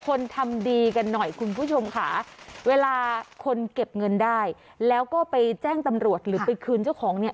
คนทำดีกันหน่อยคุณผู้ชมค่ะเวลาคนเก็บเงินได้แล้วก็ไปแจ้งตำรวจหรือไปคืนเจ้าของเนี่ย